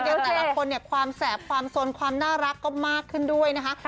แต่ละคนเนี่ยความแสบความสนความน่ารักก็มากขึ้นด้วยนะคะ